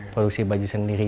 produksi baju sendiri